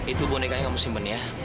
itu bonekanya kamu simpen ya